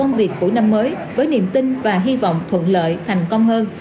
công việc của năm mới với niềm tin và hy vọng thuận lợi thành công hơn